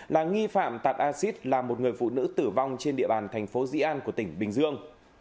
là nghi phạm tạt acid là một người phụ nữ tử vong trên địa bàn thành phố dĩ an của tỉnh bình dương